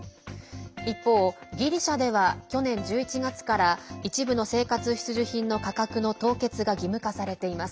一方、ギリシャでは去年１１月から一部の生活必需品の価格の凍結が義務化されています。